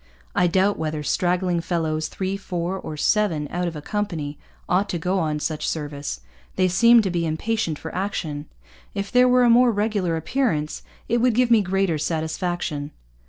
'I doubt whether straggling fellows, three, four, or seven out of a company, ought to go on such service. They seem to be impatient for action. If there were a more regular appearance, it would give me greater sattysfaction.'